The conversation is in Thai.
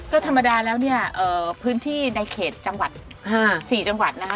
ก็ธรรมดาแล้วเนี่ยพื้นที่ในเขตจังหวัด๔จังหวัดนะฮะ